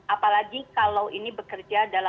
apalagi kalau ini bekerja